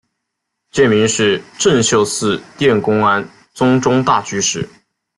戒名是政秀寺殿功庵宗忠大居士。